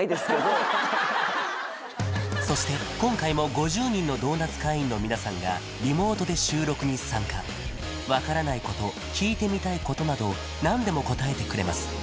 はいそして今回も５０人のドーナツ会員の皆さんがリモートで収録に参加分からないこと聞いてみたいことなど何でも答えてくれます